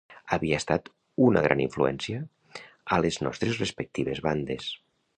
Havien estat una gran influència a les nostres respectives bandes.